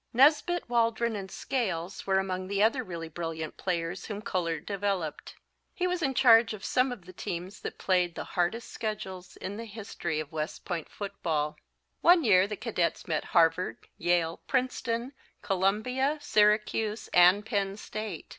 Nesbitt, Waldron and Scales were among the other really brilliant players whom Koehler developed. He was in charge of some of the teams that played the hardest schedules in the history of West Point football. One year the cadets met Harvard, Yale, Princeton, Columbia, Syracuse and Penn State.